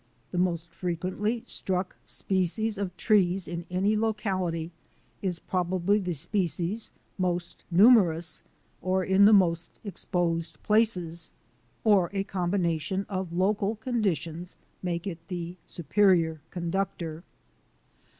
The most frequently struck species of tree in any locality is probably the species most numer ous or in the most exposed places, or a combination of local conditions make it the superior con ductor.